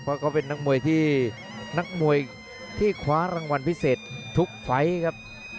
เพราะเขาเป็นนักมวยที่นักมวยที่คว้ารางวัลพิเศษทุกไฟล์ครับ